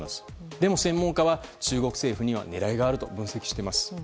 でも、専門家は中国政府には狙いがあると分析しています。